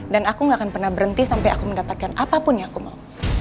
dan aku gak akan pernah berhenti sampai aku mendapatkan apapun yang aku mau